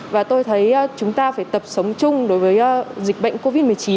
và tôi thấy chúng ta phải tập sống chung đối với dịch bệnh covid một mươi chín